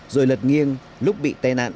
rồi lật nghiêng lúc bị tai nạn